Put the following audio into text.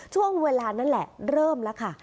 ช่วงเวลานั้นแหละเริ่มแล้วค่ะ